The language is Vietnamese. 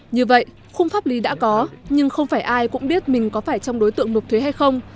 như vậy khung pháp lý đã có nhưng không phải ai cũng biết mình có phải trong đối tượng nộp thuế hay không